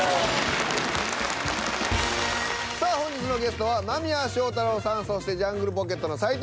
さあ本日のゲストは間宮祥太朗さんそしてジャングルポケットの斉藤です。